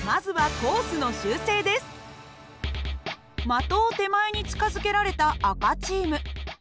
的を手前に近づけられた赤チーム。